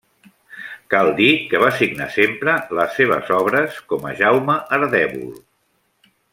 Cal dir que va signar sempre les seves obres com a Jaume Ardèvol.